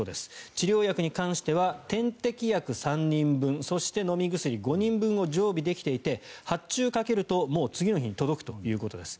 治療薬に関しては点滴薬３人分そして飲み薬５人分を常備できていて発注をかけるともう次の日に届くということです。